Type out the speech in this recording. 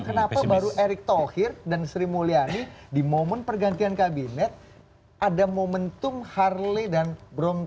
kenapa baru erick thohir dan sri mulyani di momen pergantian kabinet ada momentum harley dan brom